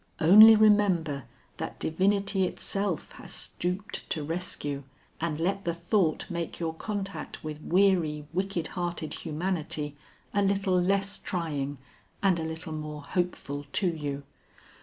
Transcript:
Only remember that divinity itself has stooped to rescue, and let the thought make your contact with weary, wicked hearted humanity a little less trying and a little more hopeful to you.